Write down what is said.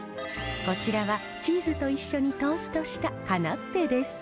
こちらはチーズと一緒にトーストしたカナッペです。